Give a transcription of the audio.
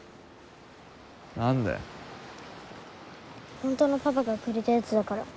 本当のパパがくれたやつだから。